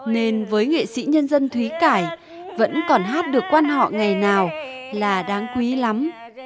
nên với nghệ sĩ nhân dân thúy cải vẫn còn hát được quan họ ngày nào là đáng quý lắm